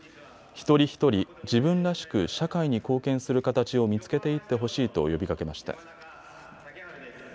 一人一人、自分らしく社会に貢献する形を見つけていってほしいと呼びかけました。